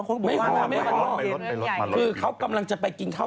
นี่นี่ค่ะกลูปีชา